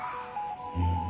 うん。